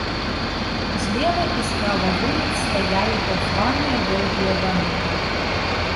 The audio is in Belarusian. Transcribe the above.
Злева і справа вуліц стаялі так званыя доўгія дамы.